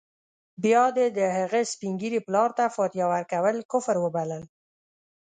بيا دې د هغه سپین ږیري پلار ته فاتحه ورکول کفر وبلل.